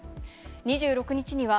２６日には、